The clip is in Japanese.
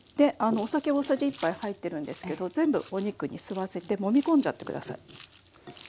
お酒大さじ１杯入ってるんですけど全部お肉に吸わせてもみ込んじゃって下さい。